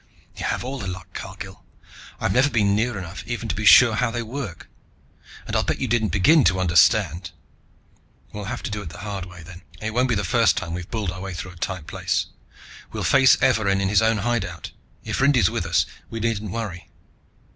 "You have all the luck, Cargill! I've never been near enough even to be sure how they work and I'll bet you didn't begin to understand! We'll have to do it the hard way, then. It won't be the first time we've bulled our way through a tight place! We'll face Evarin in his own hideout! If Rindy's with us, we needn't worry."